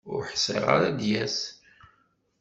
Ur ḥṣiɣ ara ad d-yas.